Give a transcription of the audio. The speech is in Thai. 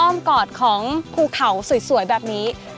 กอดของภูเขาสวยแบบนี้